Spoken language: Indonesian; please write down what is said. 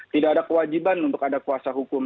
tidak ada kewajiban untuk ada kuasa hukum